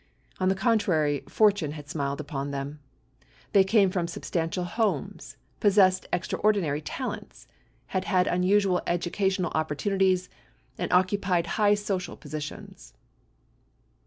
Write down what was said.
On the contrary, fortune had smiled upon them. They came from substantial homes, possessed extraordinary talents, had (1097) 1098 had unusual educational opportunities, and occupied high social positions.